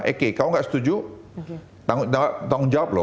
oke kalau nggak setuju tanggung jawab loh